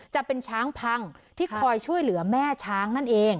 จะเป็นช้างพังที่คอยช่วยเหลือแม่ช้างนั่นเอง